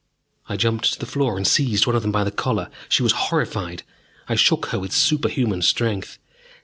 I jumped to the floor and seized one of them by the collar. She was horrified. I shook her with a superhuman strength.